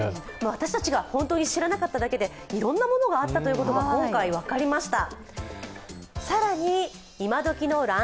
私たちが本当に知らなかっただけでいろんなものがあったということが今回分かりました。